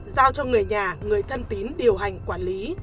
giao cho người nhà người thân tín điều hành quản lý